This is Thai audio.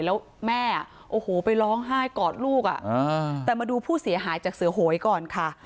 แล้วแม่โอ้โหไปร้องไห้กอดลูกแต่มาดูผู้เสียหายจากเสือโหยก่อนค่ะ